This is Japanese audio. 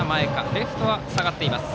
レフトは下がっています。